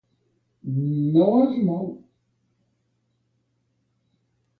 No es mou.